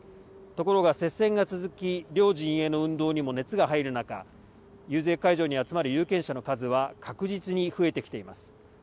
ところが接戦が続き両陣営の運動にも熱が入る中遊説会場に集まる有権者の数は確実に増えてきています。